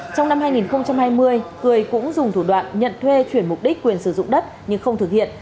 trong năm hai nghìn hai mươi cười cũng dùng thủ đoạn nhận thuê chuyển mục đích quyền sử dụng đất nhưng không thực hiện